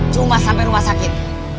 cuma sampai rumah sakit